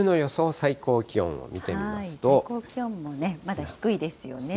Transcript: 最高気温もね、まだ低いですよね。